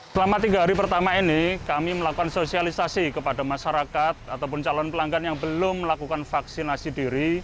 selama tiga hari pertama ini kami melakukan sosialisasi kepada masyarakat ataupun calon pelanggan yang belum melakukan vaksinasi diri